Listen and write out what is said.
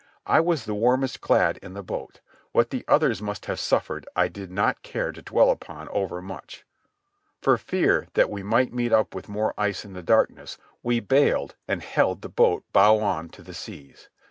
I was the warmest clad in the boat. What the others must have suffered I did not care to dwell upon over much. For fear that we might meet up with more ice in the darkness, we bailed and held the boat bow on to the seas.